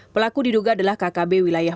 pelaku diduga adalah kkb wilayah